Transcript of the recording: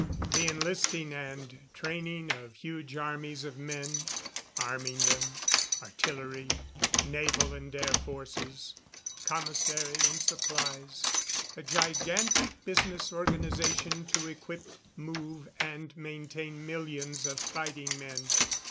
The enlisting and training of huge armies of men; arming them; artillery; naval and air forces; commissary and supplies; a gigantic business organization to equip, move and maintain millions of fighting men.